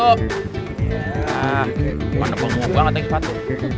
nah mana bangung banget yang sepatu